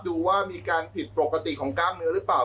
ดูว่ามีการผิดปกติของกล้ามเนื้อหรือเปล่า